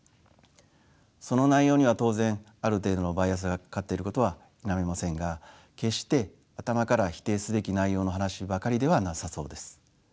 その内容には当然ある程度のバイアスがかかっていることは否めませんが決して頭から否定すべき内容の話ばかりではなさそうです。